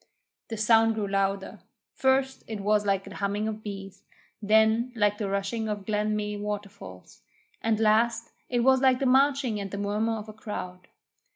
The sound grew louder. First, it was like the humming of bees, then like the rushing of Glen Meay waterfall, and last it was like the marching and the murmur of a crowd.